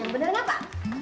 yang beneran apa